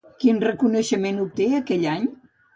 Quin reconeixement obté aquell any?